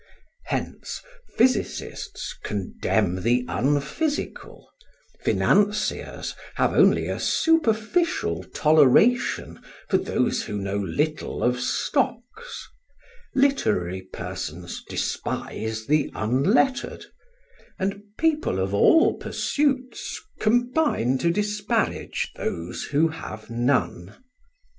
Hence physicists condemn the unphysical; financiers have only a superficial toleration for those who know little of stocks; literary persons despise the unlettered; and people of all pursuits combine to disparage those who have none.